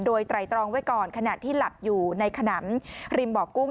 โดยไตรตรองไว้ก่อนขณะที่หลับอยู่ในขนำริมบ่อกุ้ง